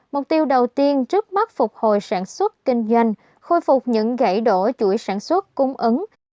mục tiêu đầu tiên trước mắt phục hồi sản xuất kinh doanh khôi phục những gãy đổ chuỗi sản xuất cung ứng